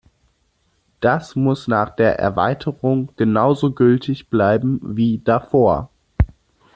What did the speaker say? Das muss nach der Erweiterung genauso gültig bleiben wie davor.